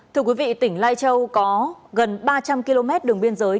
thưa quý vị tỉnh lai châu có gần ba trăm linh km đường biên giới